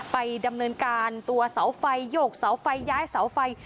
ไปดำเนินการตัวเสาไฟโยกเสาไฟย้ายเสาไฟ